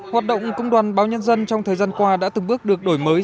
hoạt động công đoàn báo nhân dân trong thời gian qua đã từng bước được đổi mới